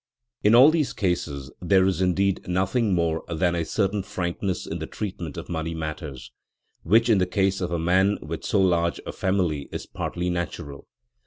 In all these cases there is indeed nothing more than a certain frankness in the treatment of money matters, which in the case of a man with so large a family is partly natural.